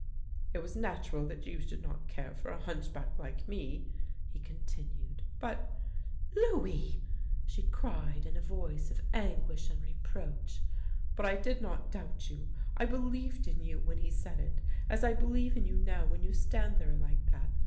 " It was natural that you should not care for a hunch back like me," he continued, " but "" Louis! " she cried in a voice of anguish and reproach. " But I did not doubt you. I believed in you when he said it, as I believe in you now when you stand there like that.